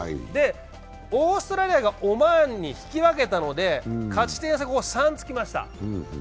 で、オーストラリアがオマーンに引き分けたので勝ち点差が３つきました。